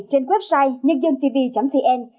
trên website nhândântv vn